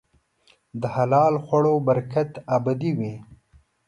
د حلال خوړو برکت ابدي وي.